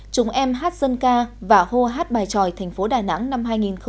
chúng em hát dân ca và hô hát bài tròi tp đà nẵng năm hai nghìn một mươi chín